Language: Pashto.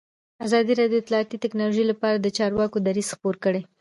ازادي راډیو د اطلاعاتی تکنالوژي لپاره د چارواکو دریځ خپور کړی.